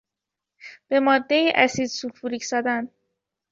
به مادهای اسید سولفوریک زدن